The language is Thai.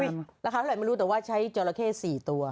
ราคาเท่าไรไม่รู้แต่ว่าใช้จอละเคสี่ตัว